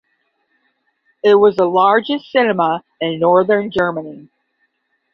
It was the largest cinema in northern Germany.